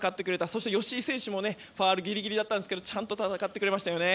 そして吉井選手もファウルギリギリだったんですけどちゃんと戦ってくれましたよね。